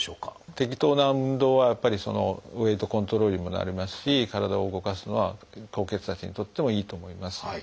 適当な運動はやっぱりウエイトコントロールにもなりますし体を動かすのは高血圧にとってもいいと思います。